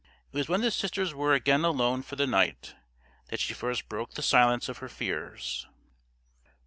It was when the sisters were again alone for the night that she first broke the silence of her fears.